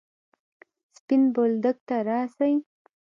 سپين بولدک ته راسئ!